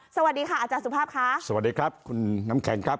สวัสดีค่ะอาจารย์สุภาพค่ะสวัสดีครับคุณน้ำแข็งครับ